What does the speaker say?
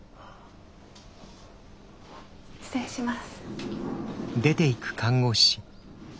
失礼します。